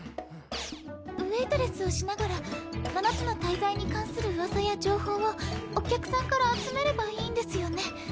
ウエイトレスをしながら七つの大罪に関する噂や情報をお客さんから集めればいいんですよね？